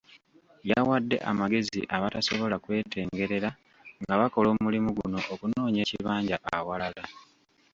Yawadde amagezi abatasobola kwetengerera nga bakola omulimu guno okunoonya ekibanja awalala.